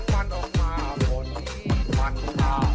เขาไม่เปลี่ยนฉากด้วยนะ